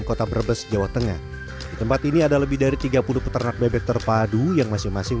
kota brebes jawa tengah di tempat ini ada lebih dari tiga puluh peternak bebek terpadu yang masing masing